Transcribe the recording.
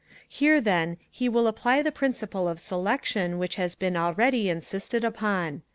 Here, then, he will apply the principle of selection which has been already insisted upon.